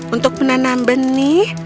untuk menanam benih